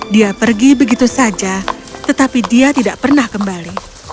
dia pergi begitu saja tetapi dia tidak pernah kembali